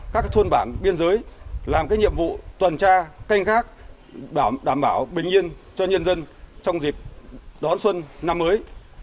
các thôn bản biên giới làm cái nhiệm vụ tuần tra canh gác đảm bảo bình yên cho nhân dân trong dịp đón xuân năm mới